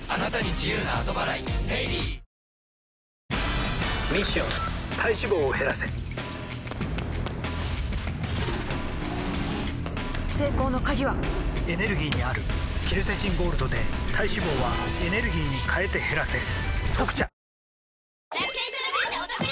ミッション体脂肪を減らせ成功の鍵はエネルギーにあるケルセチンゴールドで体脂肪はエネルギーに変えて減らせ「特茶」